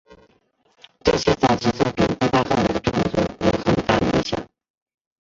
这些早期作品对他后来的创作有很大影响。